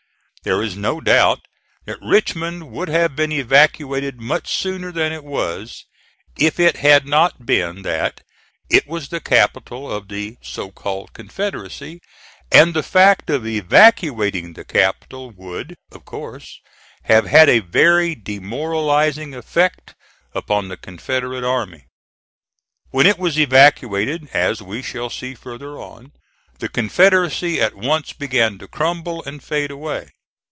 There is no doubt that Richmond would have been evacuated much sooner than it was, if it had not been that it was the capital of the so called Confederacy, and the fact of evacuating the capital would, of course, have had a very demoralizing effect upon the Confederate army. When it was evacuated (as we shall see further on), the Confederacy at once began to crumble and fade away.